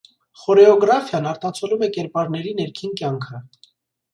Խորեոգրաֆիան արտացոլում է կերպարների ներքին կյանքը։